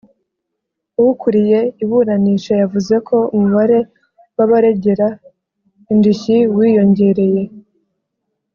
Ukuriye iburanisha yavuze ko umubare w’abaregera indishyi wiyongereye